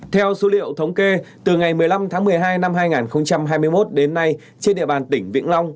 theo số liệu thống kê từ ngày một mươi năm tháng một mươi hai năm hai nghìn hai mươi một đến nay trên địa bàn tỉnh vĩnh long